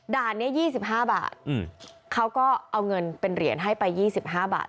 ด่านนี้๒๕บาทเขาก็เอาเงินเป็นเหรียญให้ไป๒๕บาท